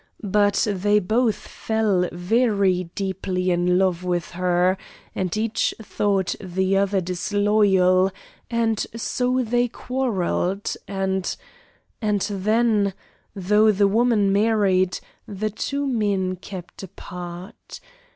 But they both fell very deeply in love with her, and each thought the other disloyal, and so they quarrelled; and and then, though the woman married, the two men kept apart.